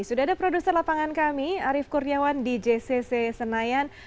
sudah ada produser lapangan kami arief kurniawan di jcc senayan